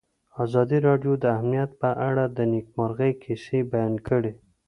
ازادي راډیو د امنیت په اړه د نېکمرغۍ کیسې بیان کړې.